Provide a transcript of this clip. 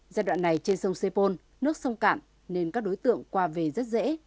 giai đoạn này trên sông sê pôn nước sông cạn nên các đối tượng qua về rất dễ